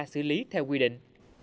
xử lý theo quy định